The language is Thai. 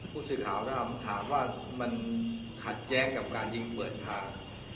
ผู้สื่อข่าวนะครับผมถามว่ามันขัดแย้งกับการยิงเปิดทาง